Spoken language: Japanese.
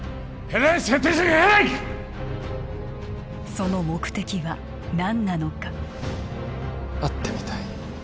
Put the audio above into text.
その目的は何なのか会ってみたい